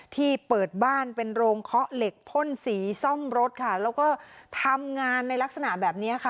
ที่เปิดบ้านเป็นโรงเคาะเหล็กพ่นสีซ่อมรถค่ะแล้วก็ทำงานในลักษณะแบบนี้ค่ะ